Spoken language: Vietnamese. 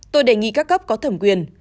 tôi đề nghị các cấp có thẩm quyền